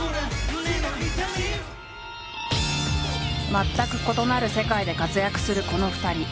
全く異なる世界で活躍するこの２人。